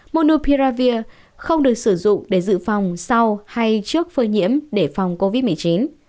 monopiravir không được sử dụng để dự phòng sau hay trước phơi nhiễm để phòng covid một mươi chín